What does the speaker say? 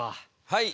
はい。